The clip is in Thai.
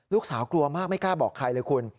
ลูกสาวกลัวมากไม่กล้าบอกใครเลยคุณ